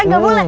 eh gak boleh